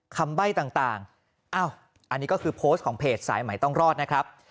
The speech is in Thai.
ใบ้ต่างอันนี้ก็คือโพสต์ของเพจสายใหม่ต้องรอดนะครับ